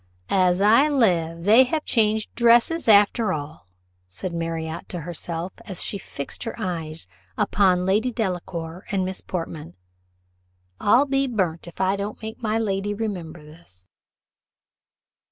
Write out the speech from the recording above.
"As I live, they have changed dresses after all," said Marriott to herself, as she fixed her eyes upon Lady Delacour and Miss Portman. "I'll be burnt, if I don't make my lady remember this."